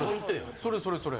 それそれそれ。